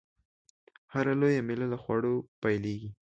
هره لويه میله له خوړو پیلېږي.